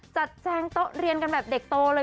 แจงโต๊ะเรียนกันแบบเด็กโตเลย